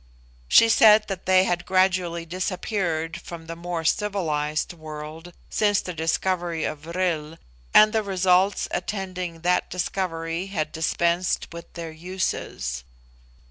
She said that they had gradually disappeared from the more civilised world since the discovery of vril, and the results attending that discovery had dispensed with their uses.